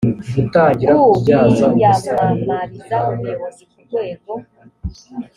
ku biyamamariza ubuyobozi ku rwego